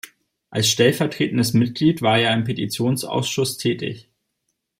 Als stellvertretendes Mitglied war er im Petitionsausschuss tätig.